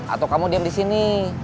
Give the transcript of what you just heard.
atau kamu diam disini